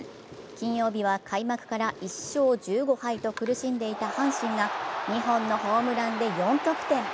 金曜日は開幕から１勝１５敗と苦しんでいた阪神が２本のホームランで４得点。